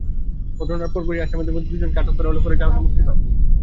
ঘটনার পরপরই আসামিদের মধ্যে দুজনকে আটক করা হলেও পরে জামিনে মুক্তি পায়।